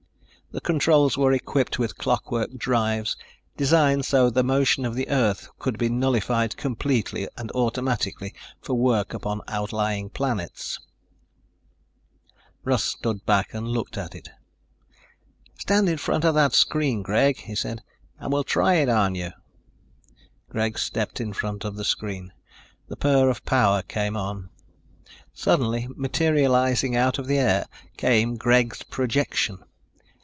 The controls were equipped with clockwork drives, designed so that the motion of the Earth could be nullified completely and automatically for work upon outlying planets. Russ stood back and looked at it. "Stand in front of that screen, Greg," he said, "and we'll try it on you." Greg stepped in front of the screen. The purr of power came on. Suddenly, materializing out of the air, came Greg's projection.